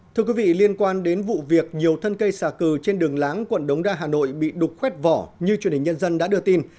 thưa quý vị liên quan đến vụ việc nhiều thân cây xà cừ trên đường láng quận đống đa hà nội bị đục khoét vỏ như truyền hình nhân dân đã đưa tin